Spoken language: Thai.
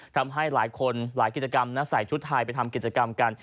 ทำให้หลายคนหลายกิจกรรมใส่ชุดไทยไปทำกิจกรรมกัน